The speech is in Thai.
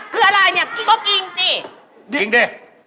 กินซ่าผักพูดไหมนะ